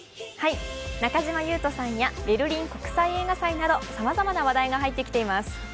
中島裕翔さんやベルリン国際映画祭などさまざまな話題が入ってきています。